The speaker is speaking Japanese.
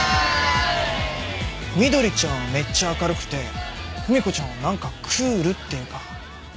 翠ちゃんはめっちゃ明るくてふみ子ちゃんはなんかクールっていうか。